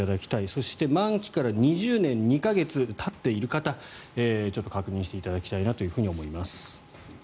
そして満期から２０年２か月たっている方ちょっと確認していただきたいと思います。